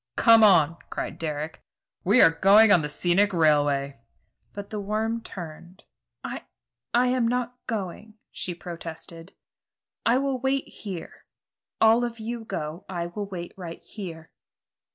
"Come on!" cried Dick. "We are going on the scenic railway." But the worm turned. "I I'm not going," she protested. "I will wait here. All of you go; I will wait right here."